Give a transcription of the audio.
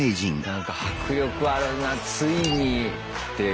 なんか迫力あるなついにっていう。